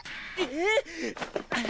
えっ！